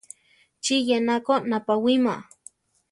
¿Chí yénako napawíma?